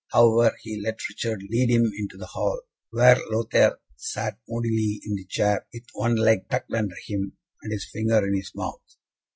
However, he let Richard lead him into the hall, where Lothaire sat moodily in the chair, with one leg tucked under him, and his finger in his mouth.